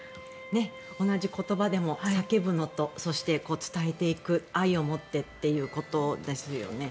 同じ言葉でも叫ぶのとそして、伝えていく愛を持ってということですよね。